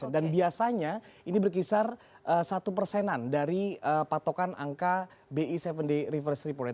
dan biasanya ini berkisar satu persenan dari patokan angka bi tujuh day reverse report